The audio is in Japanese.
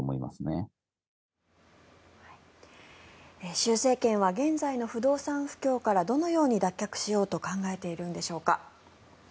習政権は現在の不動産不況からどのように脱却しようと考えているんでしょうか。